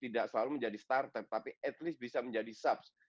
tidak selalu menjadi starter tapi at least bisa menjadi subs